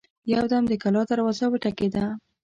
يودم د کلا دروازه وټکېده.